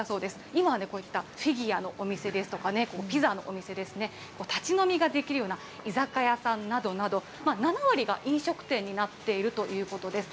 今はね、こういったフィギュアのお店ですとか、ピザのお店ですね、立ち飲みができるような居酒屋さんなどなど、７割が飲食店になっているということです。